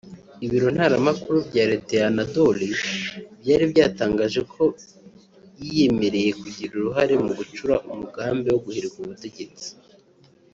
Ibiro ntaramakuru bya Leta Anadolu byari byatangaje ko yiyemereye kugira uruhare mu gucura umugambi wo guhirika ubutegetsi